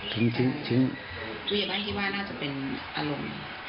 ถึงผู้ใหญ่บ้านคิดว่าน่าจะเป็นอารมณ์